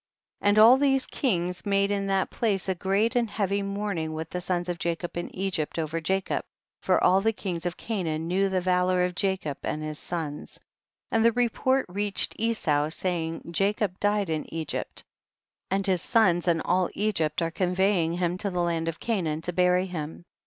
45. And all these kings made in that place a great and heavy mourn ing with the sons of Jacob and Egypt over Jacob, for all the kings of Ca naan knew the valor of Jacob and his sons. 46. And the report reached Esau, saying, Jacob died in Egypt, and his sons and all Egypt are conveying him to the land of Canaan to bury him.